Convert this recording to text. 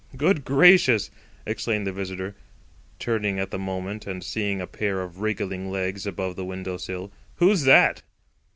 "Good gracious!" exclaimed the visitor, turning at the moment and seeing a pair of wriggling legs above the window sill; "who's that?"